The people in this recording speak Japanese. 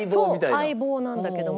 そう相棒なんだけども。